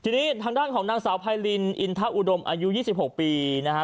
ทีนี้ทางด้านของนางสาวไพรินอินทะอุดมอายุ๒๖ปีนะฮะ